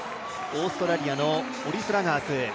オーストラリアのオリスラガース。